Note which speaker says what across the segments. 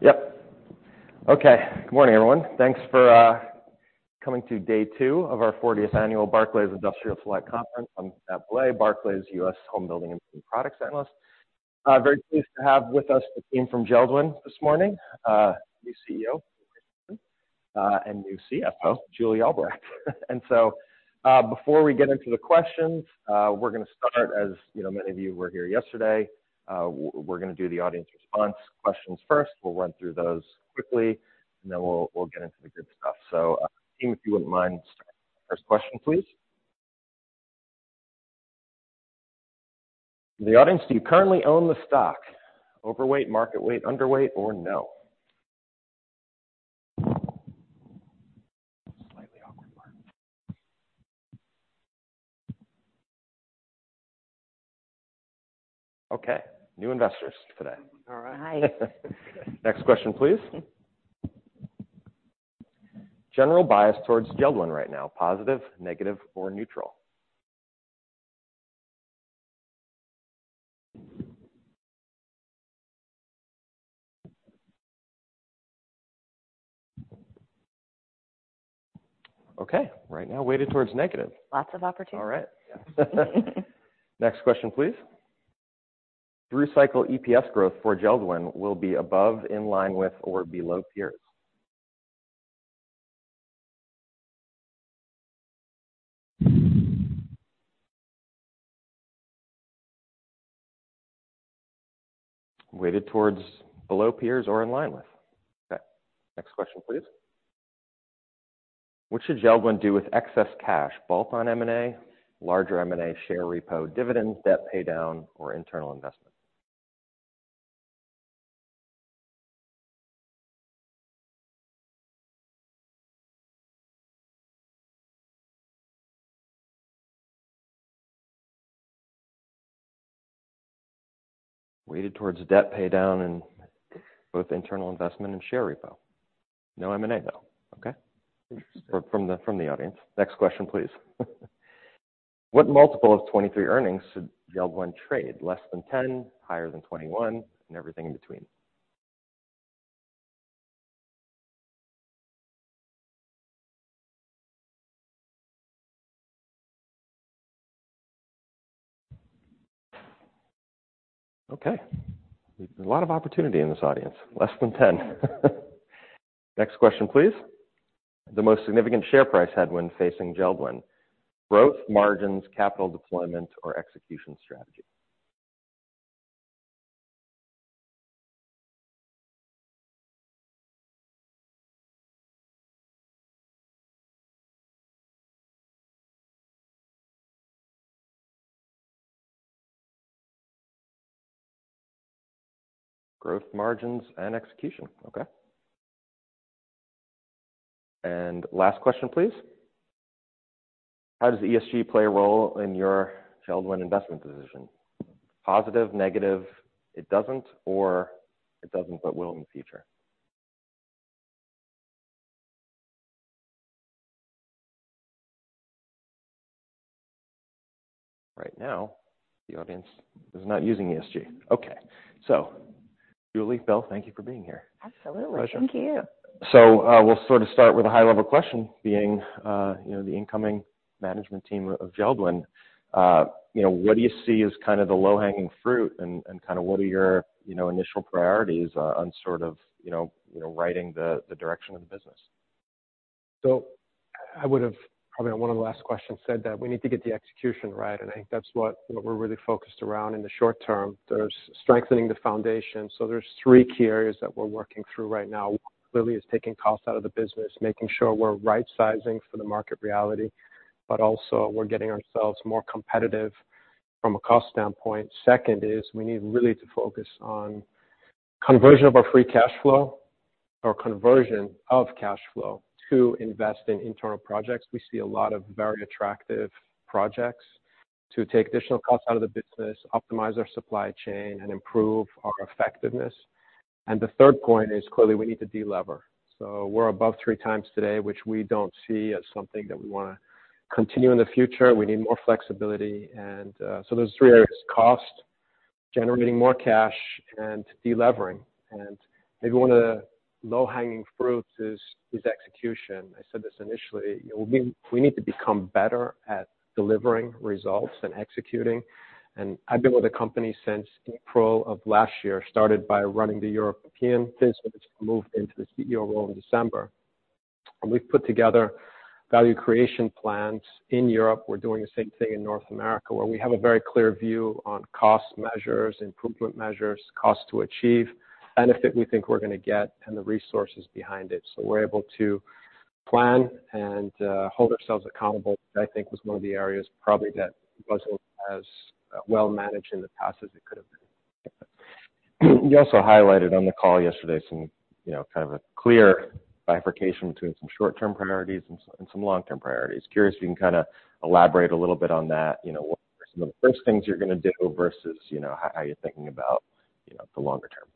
Speaker 1: Yep. Okay. Good morning, everyone. Thanks for coming to day two of our 40th annual Barclays Industrial Select Conference. I'm Matthew Bouley, Barclays US Homebuilding and Distribution Products Analyst. Very pleased to have with us the team from JELD-WEN this morning, new CEO, Bill Christensen, and new CFO, Julie Albrecht. Before we get into the questions, we're gonna start as, you know, many of you were here yesterday. We're gonna do the audience response questions first. We'll run through those quickly, and then we'll get into the good stuff. Team, if you wouldn't mind starting the first question, please. The audience, do you currently own the stock? Overweight, market weight, underweight, or no? Slightly awkward one. Okay. New investors today.
Speaker 2: All right.
Speaker 1: Next question, please. General bias towards JELD-WEN right now, positive, negative, or neutral? Okay. Right now, weighted towards negative.
Speaker 2: Lots of opportunity.
Speaker 1: All right. Next question, please. Through cycle EPS growth for JELD-WEN will be above, in line with, or below peers. Weighted towards below peers or in line with. Okay. Next question, please. What should JELD-WEN do with excess cash, bolt-on M&A, larger M&A, share repo, dividends, debt pay down, or internal investment? Weighted towards debt pay down and both internal investment and share repo. No M&A, though. Okay. Interesting. From the audience. Next question, please. What multiple of 23 earnings should JELD-WEN trade, less than 10, higher than 21, and everything in between? Okay. A lot of opportunity in this audience. Less than 10. Next question, please. The most significant share price headwind facing JELD-WEN, growth, margins, capital deployment, or execution strategy. Growth, margins, and execution. Okay. Last question, please. How does ESG play a role in your JELD-WEN investment decision? Positive, negative, it doesn't, or it doesn't but will in the future. Right now, the audience is not using ESG. Okay. Julie, Bill, thank you for being here.
Speaker 2: Absolutely.
Speaker 1: Pleasure.
Speaker 2: Thank you.
Speaker 1: We'll sort of start with a high-level question being, you know, the incoming management team of JELD-WEN. You know, what do you see as kind of the low-hanging fruit and kind of what are your, you know, initial priorities, on sort of, you know, you know, writing the direction of the business?
Speaker 3: I would have probably on one of the last questions said that we need to get the execution right, and I think that's what we're really focused around in the short term. There's strengthening the foundation. There's three key areas that we're working through right now. Clearly is taking costs out of the business, making sure we're rightsizing for the market reality, but also we're getting ourselves more competitive from a cost standpoint. Second is we need really to focus on conversion of our free cash flow or conversion of cash flow to invest in internal projects. We see a lot of very attractive projects to take additional costs out of the business, optimize our supply chain, and improve our effectiveness. The third point is clearly we need to delever. We're above three times today, which we don't see as something that we wanna continue in the future. We need more flexibility. Those three areas, cost, generating more cash, and delevering. Maybe one of the low-hanging fruits is execution. I said this initially. You know, we need to become better at delivering results and executing. I've been with the company since April of last year, started by running the European business, moved into the CEO role in December. We've put together value creation plans in Europe. We're doing the same thing in North America, where we have a very clear view on cost measures, improvement measures, cost to achieve, benefit we think we're gonna get, and the resources behind it. We're able to plan and hold ourselves accountable, which I think was one of the areas probably that wasn't as well managed in the past as it could have been.
Speaker 1: You also highlighted on the call yesterday some, you know, kind of a clear bifurcation between some short-term priorities and some long-term priorities. Curious if you can kinda elaborate a little bit on that. You know, what are some of the first things you're gonna do versus, you know, how you're thinking about, you know, the longer term?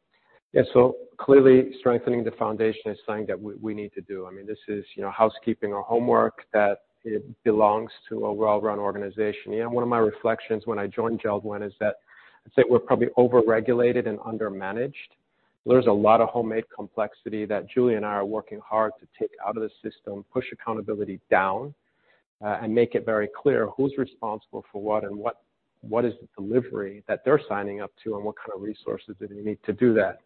Speaker 3: Clearly strengthening the foundation is something that we need to do. I mean, this is, you know, housekeeping or homework that it belongs to a well-run organization. You know, one of my reflections when I joined JELD-WEN is that
Speaker 1: I'd say we're probably over-regulated and under-managed. There's a lot of homemade complexity that Julie and I are working hard to take out of the system, push accountability down, and make it very clear who's responsible for what and what is the delivery that they're signing up to and what kind of resources do they need to do that.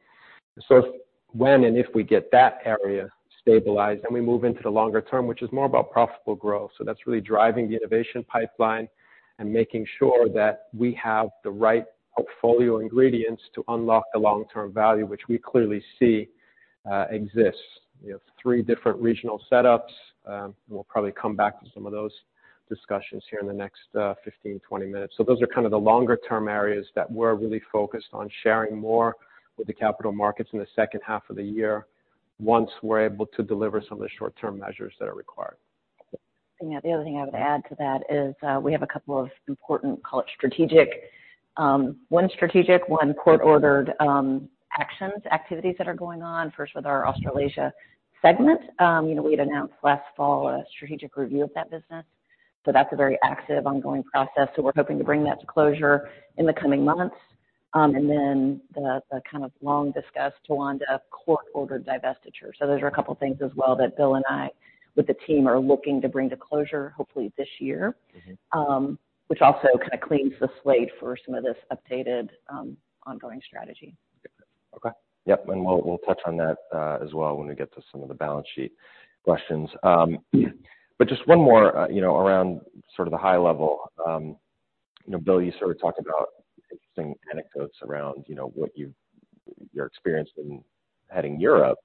Speaker 1: When and if we get that area stabilized, then we move into the longer term, which is more about profitable growth. That's really driving the innovation pipeline and making sure that we have the right portfolio ingredients to unlock the long-term value, which we clearly see exists. We have three different regional setups. We'll probably come back to some of those discussions here in the next 15, 20 minutes. Those are kind of the longer term areas that we're really focused on sharing more with the capital markets in the second half of the year once we're able to deliver some of the short-term measures that are required.
Speaker 2: The other thing I would add to that is, we have a couple of important, call it strategic, one strategic, one court-ordered, actions, activities that are going on. First, with our Australasia segment. You know, we had announced last fall a strategic review of that business. That's a very active ongoing process, so we're hoping to bring that to closure in the coming months. The, the kind of long-discussed Towanda court-ordered divestiture. Those are a couple of things as well that Bill and I with the team are looking to bring to closure hopefully this year.
Speaker 1: Mm-hmm.
Speaker 2: Which also kind of cleans the slate for some of this updated, ongoing strategy.
Speaker 1: Okay. Yep. We'll, we'll touch on that, as well when we get to some of the balance sheet questions. Just one more, you know, around sort of the high level. You know, Bill, you sort of talked about interesting anecdotes around, you know, your experience in heading Europe,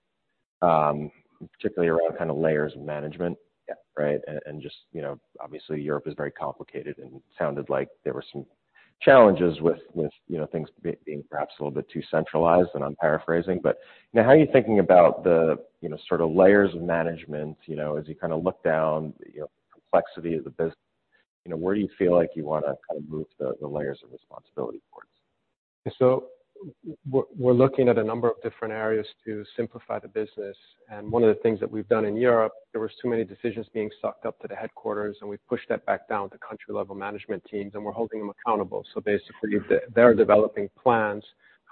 Speaker 1: particularly around kind of layers of management.
Speaker 3: Yeah.
Speaker 1: Right? Just, you know, obviously Europe is very complicated, and it sounded like there were some challenges with, you know, things being perhaps a little bit too centralized, and I'm paraphrasing. You know, how are you thinking about the, you know, sort of layers of management, you know, as you kind of look down, you know, complexity of the business? You know, where do you feel like you wanna kind of move the layers of responsibility for this?
Speaker 3: We're looking at a number of different areas to simplify the business. One of the things that we've done in Europe, there was too many decisions being sucked up to the headquarters, and we've pushed that back down to country-level management teams, and we're holding them accountable. Basically, they're developing plans,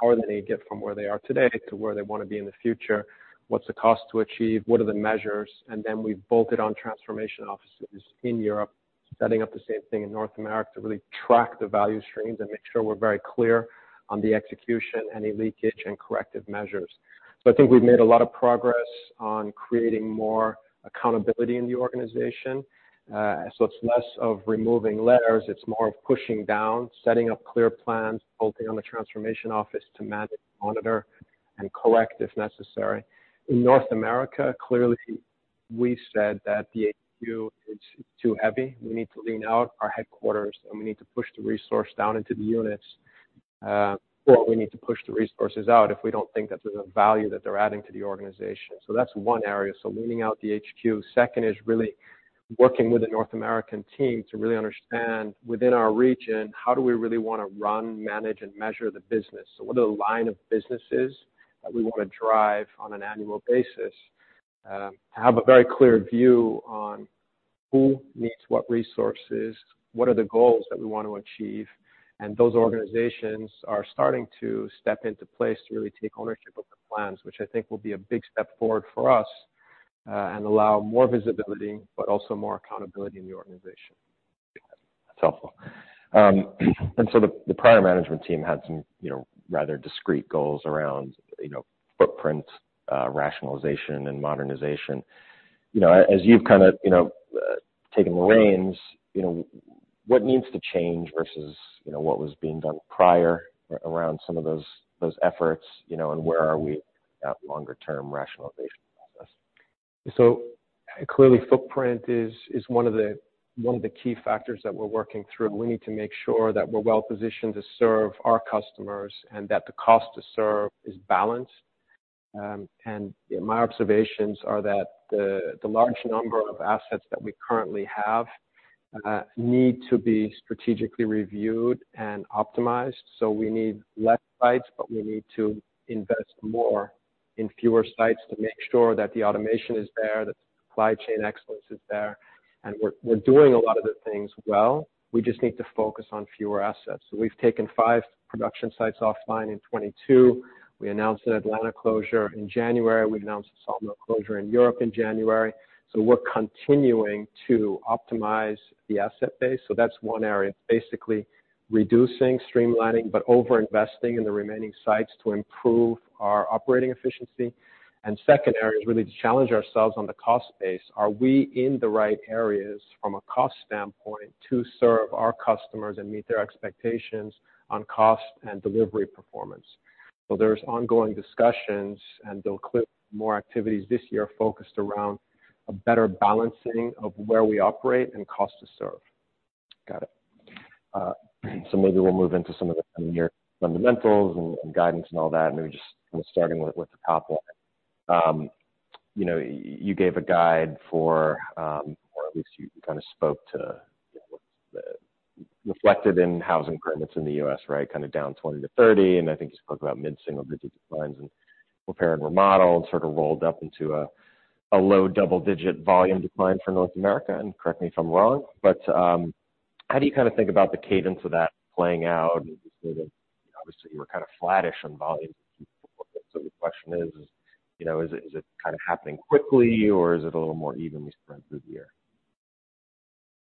Speaker 3: how are they gonna get from where they are today to where they wanna be in the future? What's the cost to achieve? What are the measures? Then we've bolted on transformation offices in Europe, setting up the same thing in North America to really track the value streams and make sure we're very clear on the execution, any leakage and corrective measures. I think we've made a lot of progress on creating more accountability in the organization. It's less of removing layers, it's more of pushing down, setting up clear plans, building on the transformation office to manage, monitor, and correct if necessary. In North America, clearly we said that the HQ is too heavy. We need to lean out our headquarters, and we need to push the resource down into the units. Or we need to push the resources out if we don't think that there's a value that they're adding to the organization. That's one area. Leaning out the HQ. Second is really working with the North American team to really understand within our region, how do we really wanna run, manage, and measure the business? What are the line of businesses that we wanna drive on an annual basis? Have a very clear view on who needs what resources, what are the goals that we want to achieve? Those organizations are starting to step into place to really take ownership of the plans, which I think will be a big step forward for us, and allow more visibility but also more accountability in the organization.
Speaker 1: That's helpful. The prior management team had some, you know, rather discrete goals around, you know, footprint, rationalization and modernization. You know, as you've kinda, you know, taken the reins, you know, what needs to change versus, you know, what was being done prior around some of those efforts, you know, and where are we at longer term rationalization process?
Speaker 3: Clearly, footprint is one of the key factors that we're working through. We need to make sure that we're well positioned to serve our customers and that the cost to serve is balanced. My observations are that the large number of assets that we currently have need to be strategically reviewed and optimized. We need less sites, but we need to invest more in fewer sites to make sure that the automation is there, that supply chain excellence is there. We're doing a lot of the things well. We just need to focus on fewer assets. We've taken five production sites offline in 2022. We announced an Atlanta closure in January. We announced a Saltvik closure in Europe in January. We're continuing to optimize the asset base. That's one area. It's basically reducing, streamlining, but over-investing in the remaining sites to improve our operating efficiency. Second area is really to challenge ourselves on the cost base. Are we in the right areas from a cost standpoint to serve our customers and meet their expectations on cost and delivery performance? There's ongoing discussions, and there'll clearly be more activities this year focused around a better balancing of where we operate and cost to serve.
Speaker 1: Got it. Maybe we'll move into some of the near fundamentals and guidance and all that, and maybe just kind of starting with the top line. You know, you gave a guide for, or at least you kind of spoke to what's reflected in housing permits in the U.S., right? Kind of down 20-30%, and I think you spoke about mid-single-digit declines in repair and remodel and sort of rolled up into a low double-digit volume decline for North America, and correct me if I'm wrong. How do you kind of think about the cadence of that playing out? Obviously, you were kind of flattish on volume Q4. The question is, you know, is it, is it kind of happening quickly or is it a little more evenly spread through the year?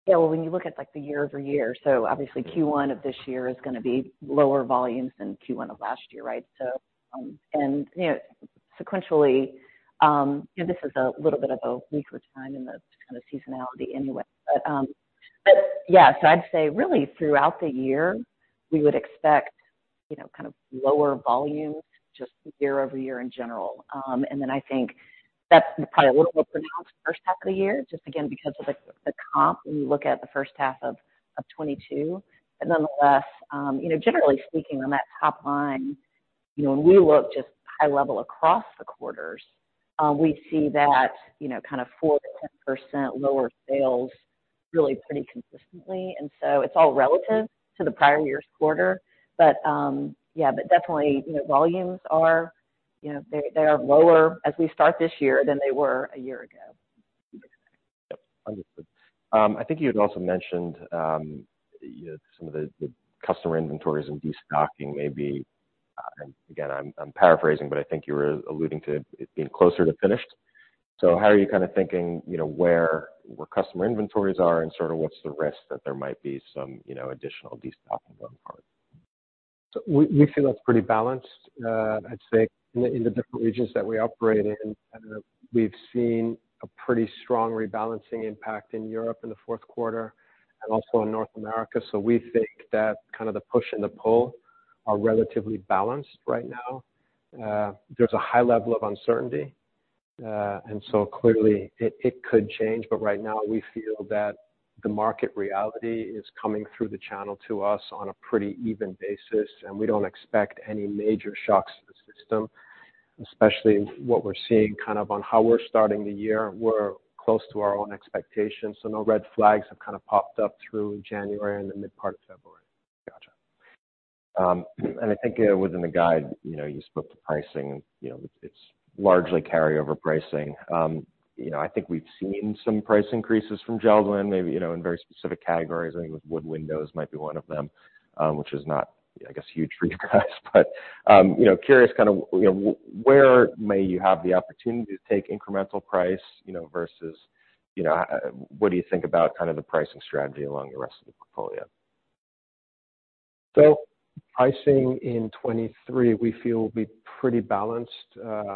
Speaker 2: Yeah. Well, when you look at like the year-over-year, obviously.
Speaker 1: Mm-hmm
Speaker 2: Q1 of this year is gonna be lower volumes than Q1 of last year, right? You know, sequentially, you know, this is a little bit of a weaker time in the kind of seasonality anyway. Yeah, I'd say really throughout the year we would expect, you know, kind of lower volumes just year-over-year in general. I think that's probably a little more pronounced first half of the year, just again because of the comp when you look at the first half of 2022. Nonetheless, you know, generally speaking on that top line, you know, when we look just high level across the quarters, we see that, you know, kind of 4%-10% lower sales really pretty consistently. It's all relative to the prior year's quarter. Yeah. Definitely, you know, volumes are, you know, they are lower as we start this year than they were a year ago.
Speaker 1: Yep. Understood. I think you had also mentioned, you know, some of the customer inventories and destocking maybe, and again, I'm paraphrasing, but I think you were alluding to it being closer to finished. How are you kind of thinking, you know, where customer inventories are and sort of what's the risk that there might be some, you know, additional destocking on their part?
Speaker 3: We feel that's pretty balanced. I'd say in the different regions that we operate in, we've seen a pretty strong rebalancing impact in Europe in the fourth quarter and also in North America. We think that the push and the pull are relatively balanced right now. There's a high level of uncertainty. Clearly it could change, but right now we feel that the market reality is coming through the channel to us on a pretty even basis, and we don't expect any major shocks to the system, especially what we're seeing on how we're starting the year. We're close to our own expectations, no red flags have popped up through January and the mid part of February.
Speaker 1: Gotcha. I think, within the guide, you know, you spoke to pricing and, you know, it's largely carryover pricing. You know, I think we've seen some price increases from JELD-WEN, maybe, you know, in very specific categories. I think with wood windows might be one of them, which is not, I guess, huge for you guys. You know, curious kind of, you know, where may you have the opportunity to take incremental price, you know, versus, you know, what do you think about kind of the pricing strategy along the rest of the portfolio?
Speaker 3: Pricing in 2023 we feel will be pretty balanced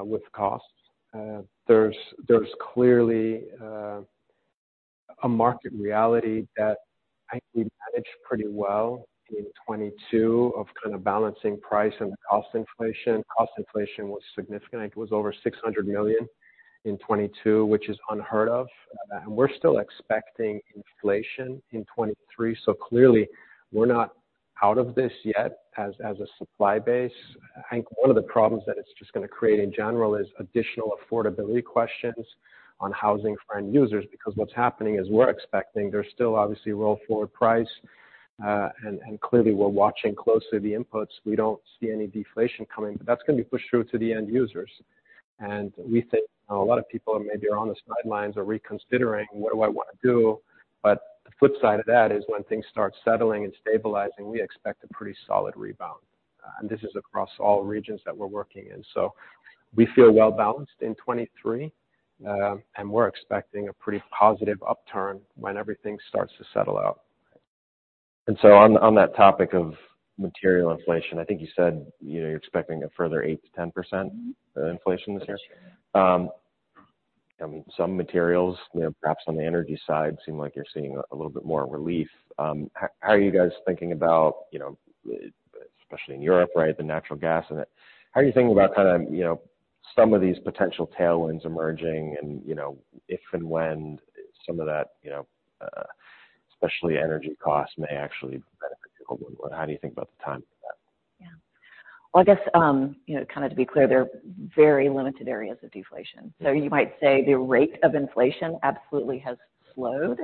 Speaker 3: with costs. There's clearly a market reality that I think we managed pretty well in 2022 of kind of balancing price and cost inflation. Cost inflation was significant. I think it was over $600 million in 2022, which is unheard of. And we're still expecting inflation in 2023, clearly we're not out of this yet as a supply base. I think one of the problems that it's just gonna create in general is additional affordability questions on housing for end users. What's happening is we're expecting there's still obviously roll forward price and clearly we're watching closely the inputs. We don't see any deflation coming, that's gonna be pushed through to the end users. We think a lot of people maybe are on the sidelines or reconsidering, "What do I wanna do?" The flip side of that is when things start settling and stabilizing, we expect a pretty solid rebound. This is across all regions that we're working in. We feel well balanced in 2023, and we're expecting a pretty positive upturn when everything starts to settle out.
Speaker 1: On that topic of material inflation, I think you said, you know, you're expecting a further 8%-10%-
Speaker 2: Mm-hmm
Speaker 1: of inflation this year.
Speaker 2: This year.
Speaker 1: Some materials, you know, perhaps on the energy side seem like you're seeing a little bit more relief. How are you guys thinking about, you know, especially in Europe, right, the natural gas and that? How are you thinking about kind of, you know, some of these potential tailwinds emerging and, you know, if and when some of that, you know, especially energy costs may actually benefit you? How do you think about the timing of that?
Speaker 2: Well, I guess, you know, kind of to be clear, there are very limited areas of deflation. You might say the rate of inflation absolutely has slowed,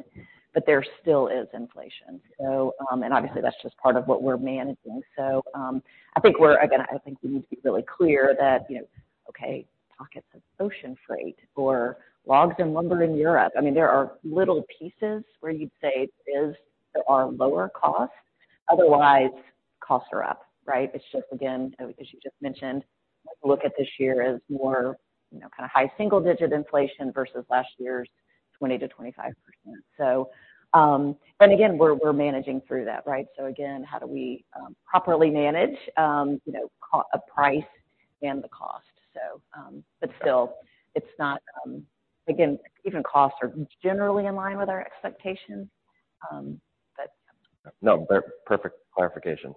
Speaker 2: but there still is inflation. Obviously that's just part of what we're managing. I think Again, I think we need to be really clear that, you know, okay, pockets of ocean freight or logs and lumber in Europe. I mean, there are little pieces where you'd say is, there are lower costs. Otherwise, costs are up, right? It's just, again, as you just mentioned, look at this year as more, you know, kind of high single-digit inflation versus last year's 20%-25%. Again, we're managing through that, right? Again, how do we properly manage, you know, price and the cost? Still it's not, again, even costs are generally in line with our expectations, but yeah.
Speaker 1: No. Perfect clarification.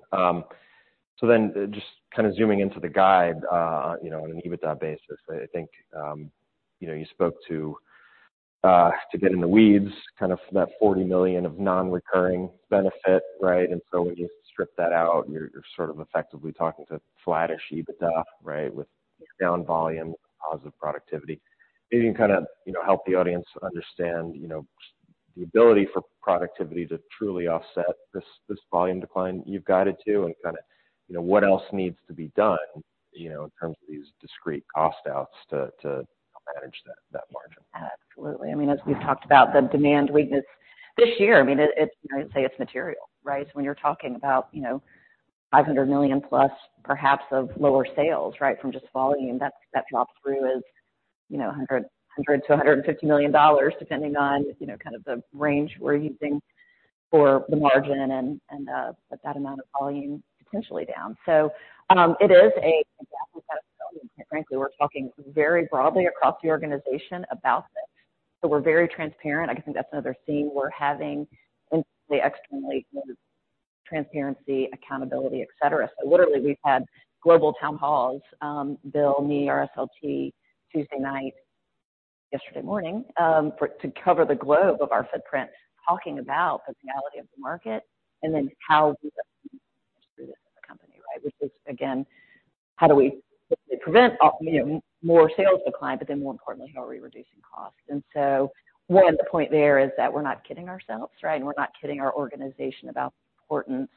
Speaker 1: Just kind of zooming into the guide, you know, on an EBITDA basis, I think, you know, you spoke to get in the weeds, kind of that $40 million of non-recurring benefit, right? When you strip that out, you're sort of effectively talking to flattish EBITDA, right? With down volume, positive productivity. Maybe you can kind of, you know, help the audience understand, you know, the ability for productivity to truly offset this volume decline you've guided to and kind of, you know, what else needs to be done, you know, in terms of these discrete cost outs to manage that margin.
Speaker 2: Absolutely. As we've talked about the demand weakness this year, I mean, I'd say it's material, right? When you're talking about, you know, $500 million+ perhaps of lower sales, right? From just volume, that drop-through is, you know, $100 million-$150 million, depending on, you know, kind of the range we're using for the margin and that amount of volume potentially down. Frankly, we're talking very broadly across the organization about this. We're very transparent. I think that's another theme we're having, extremely transparency, accountability, et cetera. Literally, we've had global town halls, Bill, me, RSLT, Tuesday night, yesterday morning, to cover the globe of our footprint, talking about the reality of the market and then how we do this as a company, right? Which is, again, how do we prevent, you know, more sales decline, more importantly, how are we reducing costs. One of the point there is that we're not kidding ourselves, right? We're not kidding our organization about the importance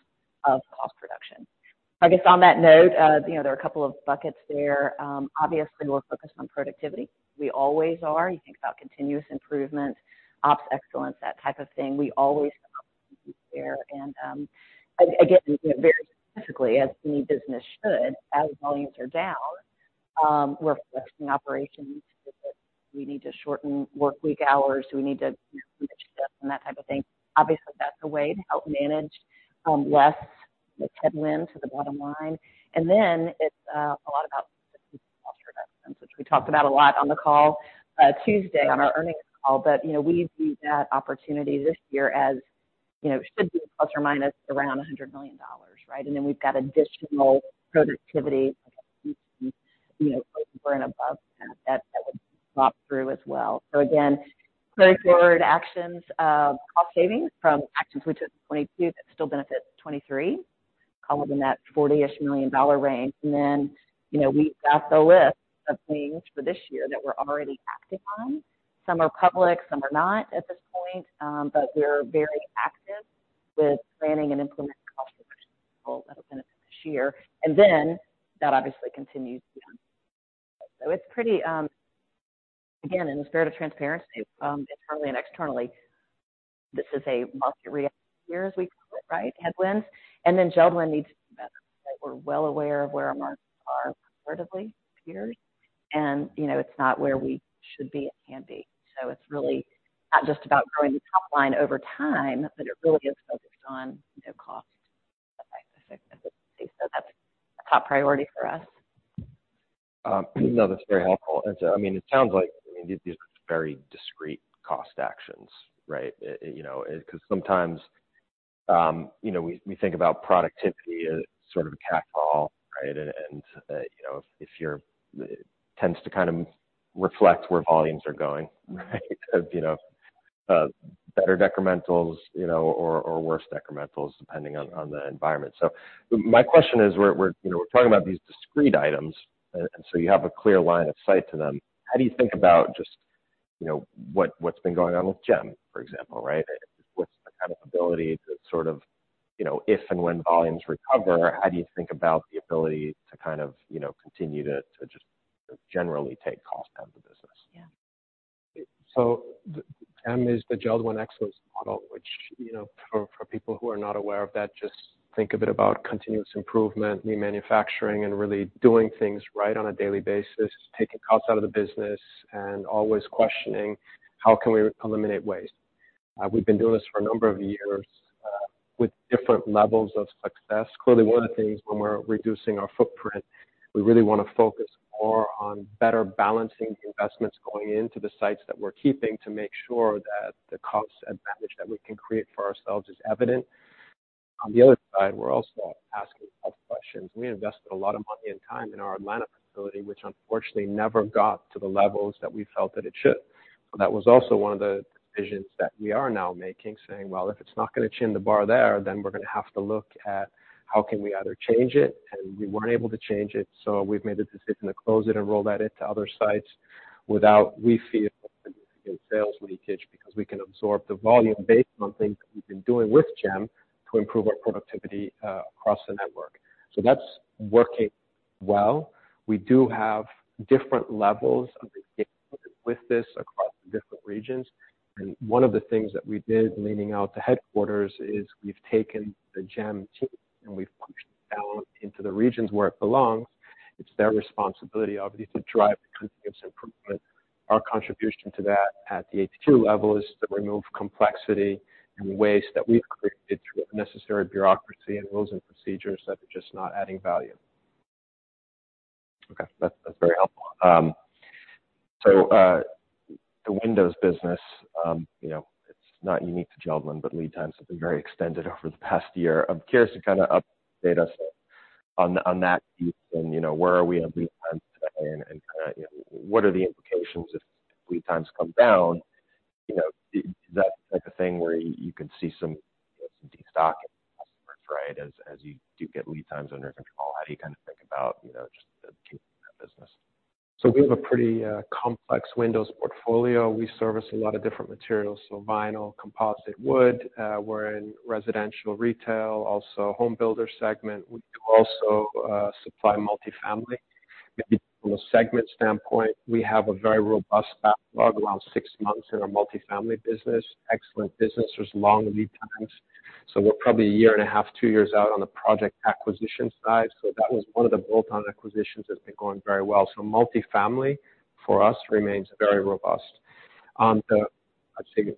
Speaker 2: of cost reduction. I guess on that note, you know, there are a couple of buckets there. Obviously, we're focused on productivity. We always are. You think about continuous improvement, ops excellence, that type of thing. We always are. Again, very specifically, as any business should, as volumes are down, we're flexing operations. We need to shorten work week hours, and that type of thing. Obviously, that's a way to help manage, less the headwind to the bottom line. It's a lot about cost reductions, which we talked about a lot on the call Tuesday on our earnings call. You know, we view that opportunity this year as, you know, should be ±$100 million, right? We've got additional productivity, you know, over and above that would drop through as well. Again, carry-forward actions of cost savings from actions we took in 2022 that still benefit 2023, call it in that $40 million range. You know, we've got the list of things for this year that we're already acting on. Some are public, some are not at this point. We're very active with planning and implementing cost this year, and then that obviously continues beyond. It's pretty, again, in the spirit of transparency, internally and externally, this is a multi-year, as we call it, right, headwinds. JELD-WEN needs to be better. We're well aware of where our markets are comparatively peers, and you know, it's not where we should be and can be. It's really not just about growing the top line over time, but it really is focused on, you know, cost. That's a top priority for us.
Speaker 1: No, that's very helpful. I mean, it sounds like these are very discrete cost actions, right? You know, 'cause sometimes, you know, we think about productivity as sort of a catch-all, right? You know, if you're tends to kind of reflect where volumes are going, right? You know, better decrementals, you know, or worse decrementals, depending on the environment. My question is, we're, you know, we're talking about these discrete items, and so you have a clear line of sight to them. How do you think about just, you know, what's been going on with JEM, for example, right? What's the kind of ability to sort of, you know, if and when volumes recover, how do you think about the ability to kind of, you know, continue to just generally take cost out of the business?
Speaker 2: Yeah.
Speaker 3: JEM is the JELD-WEN Excellence Model, which, you know, for people who are not aware of that, just think a bit about continuous improvement, new manufacturing, and really doing things right on a daily basis, taking costs out of the business and always questioning how can we eliminate waste? We've been doing this for a number of years with different levels of success. Clearly, one of the things when we're reducing our footprint, we really wanna focus more on better balancing the investments going into the sites that we're keeping to make sure that the cost advantage that we can create for ourselves is evident. On the other side, we're also asking tough questions. We invested a lot of money and time in our Atlanta facility, which unfortunately never got to the levels that we felt that it should. That was also one of the decisions that we are now making, saying, "Well, if it's not gonna chin the bar there, then we're gonna have to look at how can we either change it." We weren't able to change it, so we've made the decision to close it and roll that into other sites without, we feel, significant sales leakage, because we can absorb the volume based on things we've been doing with JEM to improve our productivity across the network. That's working well. We do have different levels of engagement with this across the different regions. One of the things that we did leaning out to headquarters is we've taken the JEM team and we've pushed it down into the regions where it belongs. It's their responsibility, obviously, to drive continuous improvement. Our contribution to that at the AT2 level is to remove complexity and waste that we've created through unnecessary bureaucracy and rules and procedures that are just not adding value.
Speaker 1: Okay. That's very helpful. The Windows business, you know, it's not unique to JELD-WEN, but lead times have been very extended over the past year. I'm curious to kinda update us on that piece and, you know, where are we on lead time and kinda what are the implications if lead times come down? You know, is that like a thing where you can see some de-stock customers, right? As you do get lead times under control, how do you kind of think about, you know, just the business?
Speaker 3: We have a pretty complex windows product portfolio, we service a lot of different materials, so vinyl, composite wood, we're in residential retail, also home builder segment. We do also supply multi-family. Maybe from a segment standpoint, we have a very robust backlog, around 6 months in our multi-family business. Excellent business. There's long lead times, we're probably 1.5 years, two years out on the project acquisition side. That was one of the bolt-on acquisitions that's been going very well. Multi-family for us remains very robust. On the, I'd say,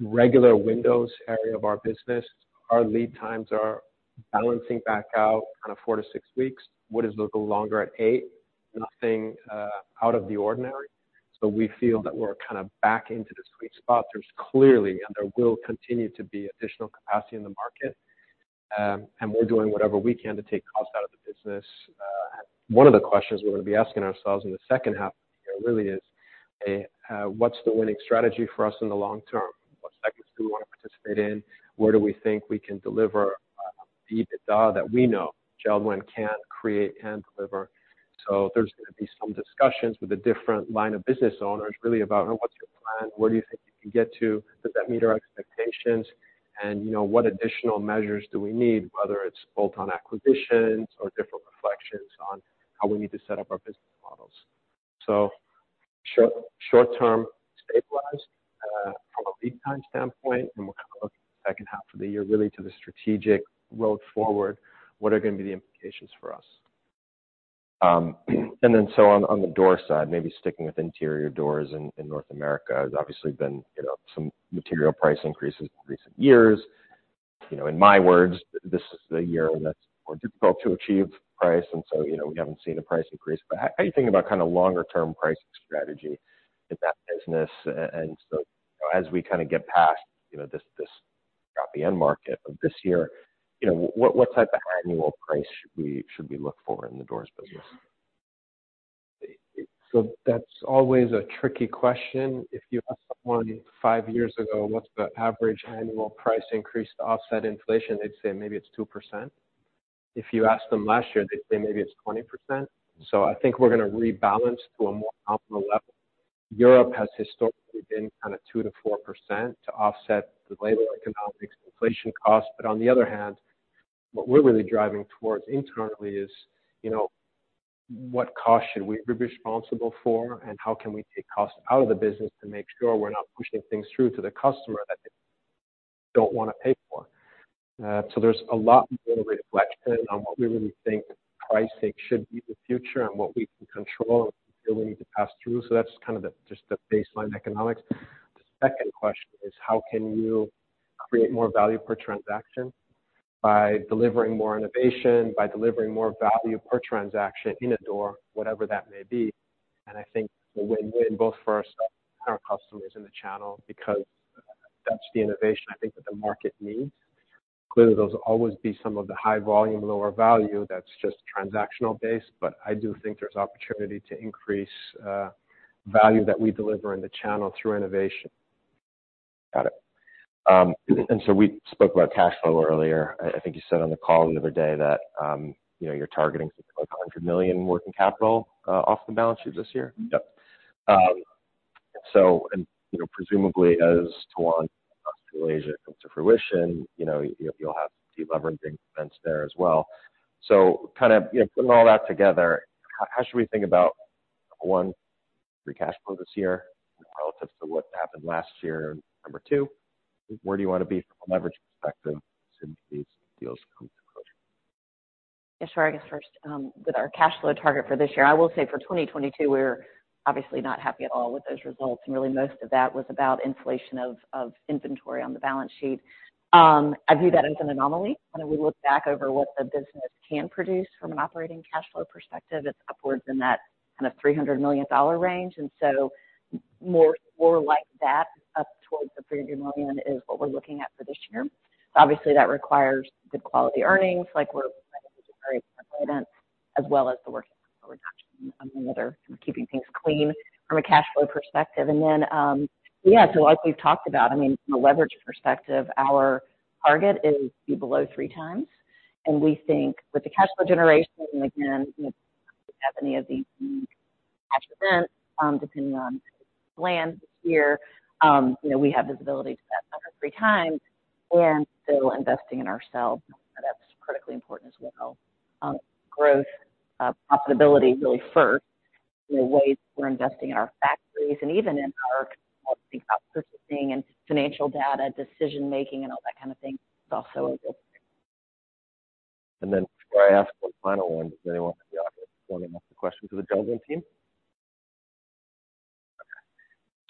Speaker 3: regular windows area of our business, our lead times are balancing back out kind of 4-6 weeks. Wood is a little longer at 8. Nothing out of the ordinary. We feel that we're kind of back into the sweet spot. There's clearly, and there will continue to be additional capacity in the market, we're doing whatever we can to take costs out of the business. One of the questions we're gonna be asking ourselves in the second half of the year really is, what's the winning strategy for us in the long term? What segments do we wanna participate in? Where do we think we can deliver the EBITDA that we know JELD-WEN can create and deliver? There's gonna be some discussions with the different line of business owners really about, you know, what's your plan? Where do you think you can get to? Does that meet our expectations? You know, what additional measures do we need, whether it's bolt-on acquisitions or different reflections on how we need to set up our business models. Short-term stabilized, from a lead time standpoint, and we're kind of looking in the second half of the year really to the strategic road forward, what are gonna be the implications for us?
Speaker 1: On the door side, maybe sticking with interior doors in North America, has obviously been, you know, some material price increases in recent years. You know, in my words, this is the year when that's more difficult to achieve price, and so, you know, we haven't seen a price increase. How are you thinking about kind of longer term pricing strategy in that business? You know, as we kind of get past, you know, this drop the end market of this year, you know, what type of annual price should we look for in the doors business?
Speaker 3: That's always a tricky question. If you ask someone 5 years ago, what's the average annual price increase to offset inflation, they'd say maybe it's 2%. If you asked them last year, they'd say maybe it's 20%. I think we're gonna rebalance to a more optimal level. Europe has historically been kind of 2%-4% to offset the labor economics inflation costs. On the other hand, what we're really driving towards internally is, you know, what costs should we be responsible for and how can we take costs out of the business to make sure we're not pushing things through to the customer that they don't wanna pay for. There's a lot more reflection on what we really think pricing should be the future and what we can control and what we feel we need to pass through. That's kind of the, just the baseline economics. The second question is how can you create more value per transaction? By delivering more innovation, by delivering more value per transaction in a door, whatever that may be. I think it's a win-win both for ourselves and our customers in the channel because that's the innovation I think that the market needs. Clearly, there'll always be some of the high volume, lower value that's just transactional based, but I do think there's opportunity to increase value that we deliver in the channel through innovation.
Speaker 1: Got it. We spoke about cash flow earlier. I think you said on the call the other day that, you know, you're targeting something like $100 million in working capital, off the balance sheet this year.
Speaker 3: Yep.
Speaker 1: You know, presumably, as Towanda comes to fruition, you know, you'll have some de-leveraging events there as well. Kind of, you know, putting all that together, how should we think about, one, free cash flow this year relative to what happened last year? Number two, where do you wanna be from a leverage perspective as some of these deals come to fruition?
Speaker 2: Yeah, sure. I guess first, with our cash flow target for this year, I will say for 2022, we're obviously not happy at all with those results, and really most of that was about inflation of inventory on the balance sheet. I view that as an anomaly. When we look back over what the business can produce from an operating cash flow perspective, it's upwards in that kind of $300 million range. More like that up towards the $300 million is what we're looking at for this year. Obviously, that requires good quality earnings like we're planning to generate from lean, as well as the working capital reduction on the other, keeping things clean from a cash flow perspective. Yeah, so like we've talked about, I mean, from a leverage perspective, our target is to be below three times. We think with the cash flow generation, and again, you know, if we don't have any of these unique cash events, depending on how this lands this year, you know, we have visibility to that under three times and still investing in ourselves. That's critically important as well. Growth, profitability really first. You know, ways we're investing in our factories and even in our purchasing and financial data, decision-making and all that kind of thing is also a good thing.
Speaker 1: Before I ask one final one, does anyone from the audience want to ask a question to the JELD-WEN team?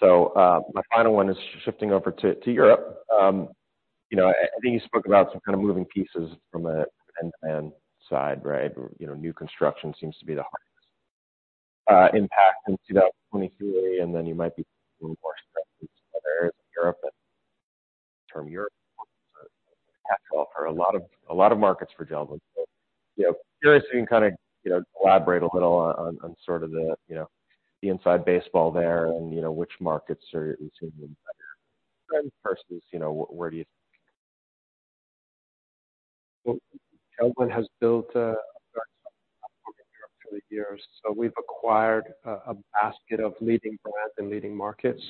Speaker 1: Okay. My final one is shifting over to Europe. You know, I think you spoke about some kind of moving pieces from an end-to-end side, right? You know, new construction seems to be the hardest impact in 2023, and then you might be seeing more strength in some other areas of Europe and term Europe as a catch-all for a lot of markets for JELD-WEN. You know, curious if you can kind of, you know, elaborate a little on sort of the, you know, the inside baseball there and, you know, which markets are, seem to be better versus, you know, where do you think Bill has built a very strong platform in Europe through the years. We've acquired a basket of leading brands in leading markets.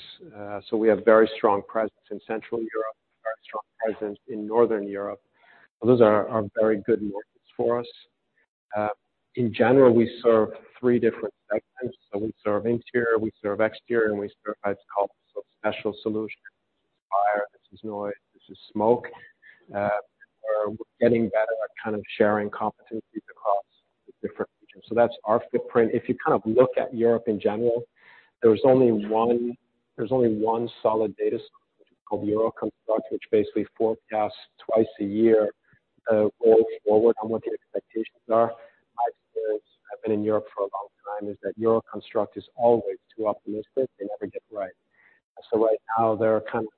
Speaker 1: We have very strong presence in Central Europe, very strong presence in Northern Europe. Those are very good markets for us. In general, we serve three different segments. We serve interior, we serve exterior, and we serve what's called special solutions. This is fire, this is noise, this is smoke. We're getting better at kind of sharing competencies across the different regions. That's our footprint. If you kind of look at Europe in general, there's only one solid data source called Euroconstruct, which basically forecasts two a year, going forward on what the expectations are. My experience, I've been in Europe for a long time, is that Euroconstruct is always too optimistic.
Speaker 3: They never get it right. Right now they're kind of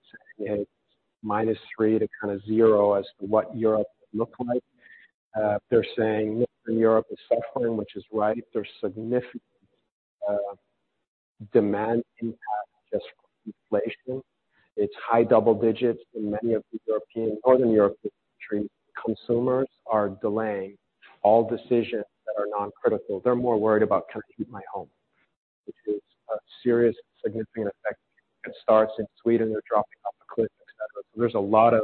Speaker 3: saying a -3 to kind of zero as to what Europe would look like. They're saying Northern Europe is suffering, which is right. There's significant demand impact just from inflation. It's high double digits in many of the European, Northern European countries. Consumers are delaying all decisions that are non-critical. They're more worried about can I heat my home, which is a serious, significant effect. It starts in Sweden. They're dropping off a cliff, et cetera. There's a lot of,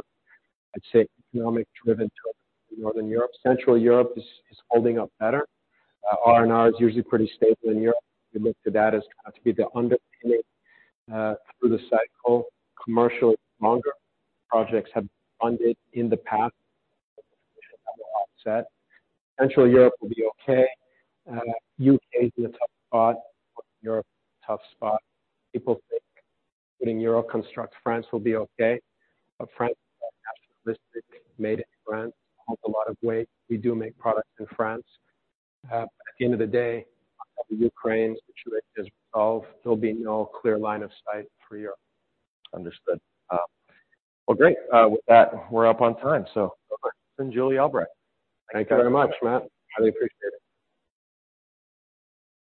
Speaker 3: I'd say, economic driven to Northern Europe. Central Europe is holding up better. R&R is usually pretty stable in Europe. We look to that as kind of to be the underpinning through the cycle. Commercial is longer. Projects have been funded in the past. Central Europe will be okay. U.K. is in a tough spot. Northern Europe, tough spot. People think, including Euroconstruct, France will be okay. France is a nationalistic made in France, holds a lot of weight. We do make products in France. At the end of the day, the Ukraine situation is resolved. There'll be no clear line of sight for Europe.
Speaker 1: Understood. Great. With that, we're up on time, Bill and Julie Albrecht. Thank you.
Speaker 3: Thank you very much, Matt. Highly appreciate it.